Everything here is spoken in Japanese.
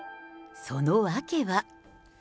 その訳は。